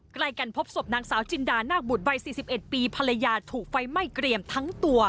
ใกล้กันพบศพนางสาวจินดานาคบุตรวัย๔๑ปีภรรยาถูกไฟไหม้เกรียมทั้งตัว